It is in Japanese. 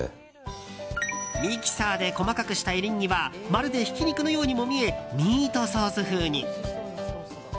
ミキサーで細かくしたエリンギはまるでひき肉のようにも見えミートソース風に。